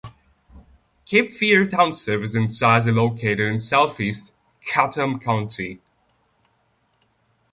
Cape Fear Township is in size and located in southeast Chatham County.